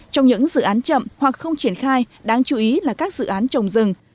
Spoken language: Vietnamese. trong những dự án chậm hoặc không triển khai đáng chú ý là các dự án trồng rừng